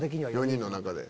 ４人の中で。